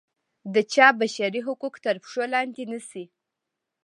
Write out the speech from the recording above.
د چا بشري حقوق تر پښو لاندې نه شي.